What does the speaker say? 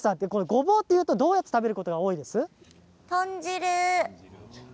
ごぼうというとどうやって食べることが多いです？